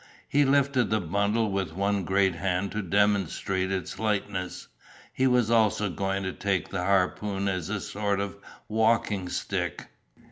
He lifted the bundle with one great hand to demonstrate its lightness; he was also going to take the harpoon as a sort of walking stick.